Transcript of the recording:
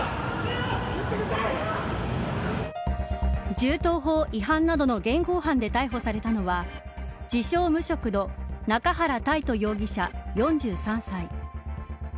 銃刀法違反などの現行犯で逮捕されたのは自称無職の中原泰斗容疑者４３歳。